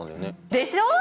でしょう？